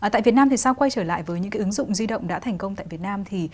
tại việt nam thì sao quay trở lại với những cái ứng dụng di động đã thành công tại việt nam